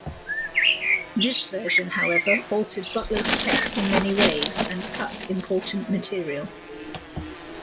This version however altered Butler's text in many ways and cut important material.